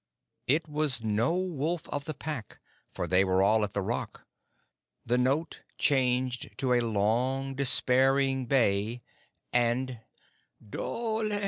It was no wolf of the Pack, for they were all at the Rock. The note changed to a long, despairing bay; and "Dhole!"